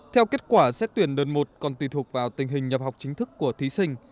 theo kết quả xét tuyển đợt một còn tùy thuộc vào tình hình nhập học chính thức của thí sinh